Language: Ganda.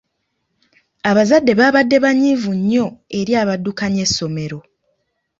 Abazadde baabadde banyiivu nnyo eri abaddukanya essommero.